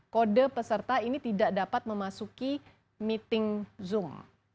kode peserta ini tidak dapat memasuki meeting zoom